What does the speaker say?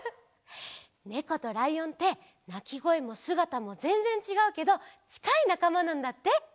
ねことらいおんってなきごえもすがたもぜんぜんちがうけどちかいなかまなんだって。